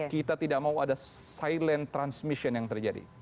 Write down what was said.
kita tidak mau ada silent transmission yang terjadi